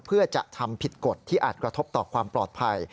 เพื่อจะทำผิดกฎที่อาจกระทบต่อความปลอดภัย